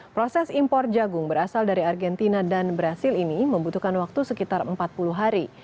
proses impor jagung berasal dari argentina dan brazil ini membutuhkan waktu sekitar empat puluh hari